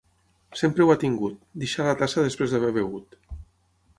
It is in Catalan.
Sempre ho ha tingut, deixar la tassa després d'haver begut.